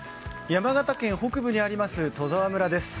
山形県北部にあります戸沢村です。